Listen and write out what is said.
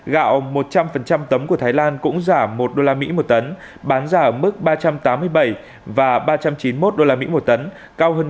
gạo một trăm linh tấm của thái lan cũng giảm một usd một tấn bán giảm mức ba trăm tám mươi bảy và ba trăm chín mươi một usd một tấn